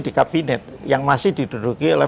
di kabinet yang masih diduduki oleh